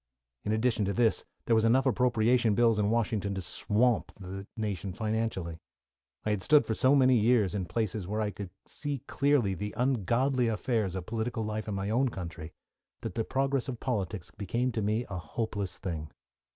In addition to this, there were enough appropriation bills in Washington to swamp the nation financially. I had stood for so many years in places where I could see clearly the ungodly affairs of political life in my own country, that the progress of politics became to me a hopeless thing.